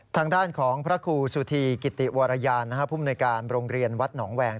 ทางด้านของพระครูสุธีกิติวรยานภูมิในการโรงเรียนวัดหนองแวง